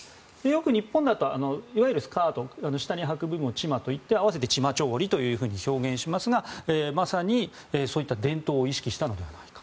よく日本だといわゆるスカート下にはく部分をチマと言って合わせてチマチョゴリと表現しますがまさに、そういった伝統を意識したのではないか。